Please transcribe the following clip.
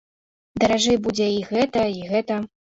Даражэй будзе і гэта, і гэта.